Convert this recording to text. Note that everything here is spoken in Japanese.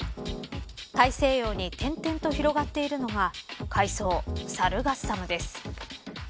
大西洋に点々と広がっているのが海藻、サルガッサムです。